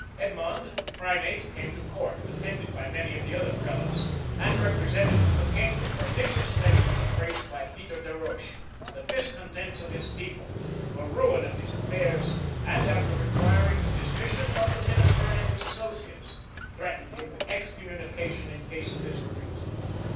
Edmond, the primate, came to court, attended by many of the other prelates, and represented to the king the pernicious measures embraced by Peter des Roches, the discontents of his people, the ruin of his affairs; and after requiring the dismission of the minister and his associates, threatened him with excommunication in case of his refusal.